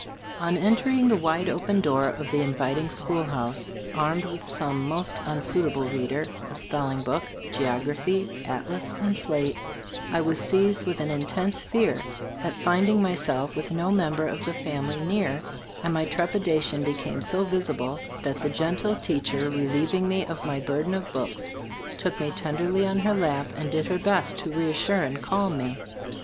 On entering the wide open door of the inviting schoolhouse, armed with some most unsuitable reader, a spelling book, geography, atlas and slate, I was seized with an intense fear at finding myself with no member of the family near, and my trepidation became so visible that the gentle teach 34 ttbe Storg of Ag Gbttoboofc er, relieving me of my burden of books, took me tenderly on her lap and did her best to reassure and calm me.